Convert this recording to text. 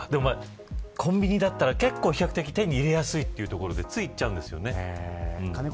コンビニだったら結構比較的、手に入れやすいというところでつい行っちゃうんですよね。